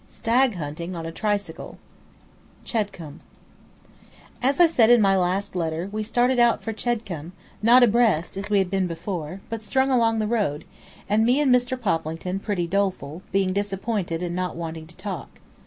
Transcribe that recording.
Letter Number Twelve CHEDCOMBE As I said in my last letter, we started out for Chedcombe, not abreast, as we had been before, but strung along the road, and me and Mr. Poplington pretty doleful, being disappointed and not wanting to talk.